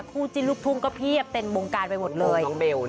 คู่จิลุกทุ่งก็เพียบเต็มวงการไปหมดเลยอ๋อน้องเบลนะ